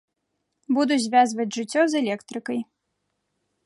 Буду звязваць жыццё з электрыкай.